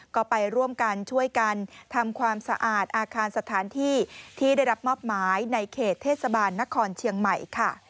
ก็ไปร่วมกันช่วยกันทำความสะอาดอาคารสถานที่ที่ได้รับมอบหมายในเขตเทศบาลนครเชียงใหม่ค่ะ